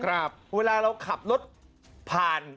เวลาเราขับรถผ่าน